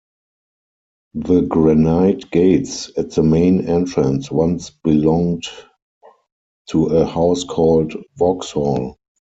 The granite gates at the main entrance once belonged to a house called Vauxhall.